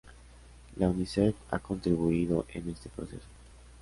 La Unicef ha contribuido en este proceso.